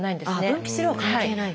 分泌量は関係ない？